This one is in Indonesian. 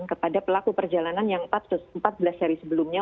kepada pelaku perjalanan yang empat belas hari sebelumnya